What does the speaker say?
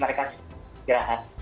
mereka gerah ya